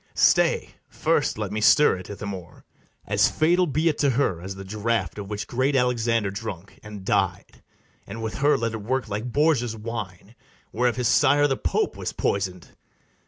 BARABAS. Stay; first let me stir it, Ithamore. As fatal be it to her as the draught Of which great Alexander drunk, and died; And with her let it work like Borgia's wine, Whereof his sire the Pope was poisoned!